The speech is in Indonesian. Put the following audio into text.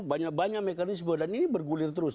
banyak banyak mekanisme dan ini bergulir terus